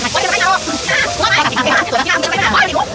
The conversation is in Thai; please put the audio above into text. อ้าวสุดยอดสุดยอด